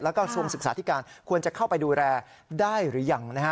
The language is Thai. แล้วก็ทรงศึกษาธิการควรจะเข้าไปดูแลได้หรือยัง